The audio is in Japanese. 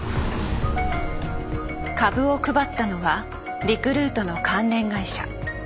株を配ったのはリクルートの関連会社。